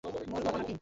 মূল ঘটনা কী?